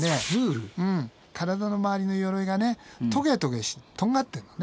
体の周りの鎧がねトゲトゲしてとんがってんのね。